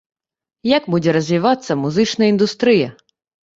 Як будзе развівацца музычная індустрыя?